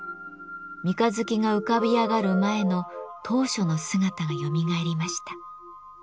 三日月が浮かび上がる前の当初の姿がよみがえりました。